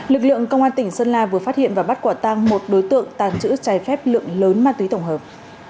lực lượng công an tỉnh sơn la vừa phát hiện và bắt quả tăng một đối tượng tàng trữ trái phép lượng lớn ma túy tổng hợp